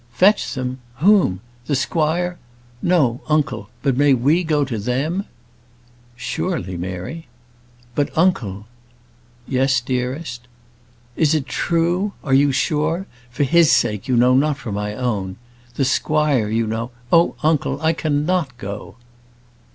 "Fetch them! whom? The squire? No, uncle; but may we go to them?" "Surely, Mary." "But, uncle " "Yes, dearest." "Is it true? are you sure? For his sake, you know; not for my own. The squire, you know Oh, uncle! I cannot go."